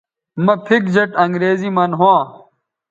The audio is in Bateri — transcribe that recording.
مہ پِھک جیٹ انگریزی من ھواں